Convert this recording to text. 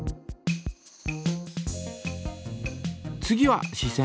次はし線。